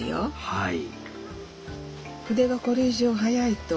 はい。